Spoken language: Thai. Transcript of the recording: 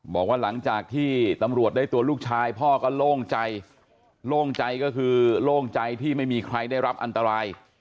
บอกว่าหลังจากที่ตำรวจได้ตัวลูกชายพ่อก็โล่งใจโล่งใจก็คือโล่งใจที่ไม่มีใครได้รับอันตราย